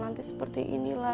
nanti seperti inilah